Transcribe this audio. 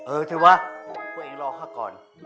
เออใช่วะพวกเองรอข้าก่อน